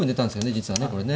実はねこれね。